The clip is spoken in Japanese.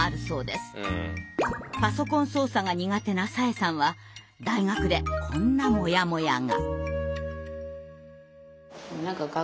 パソコン操作が苦手な紗英さんは大学でこんなモヤモヤが。